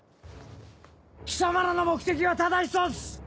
貴様らの目的はただ１つ！